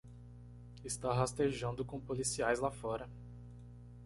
Está rastejando com policiais lá fora.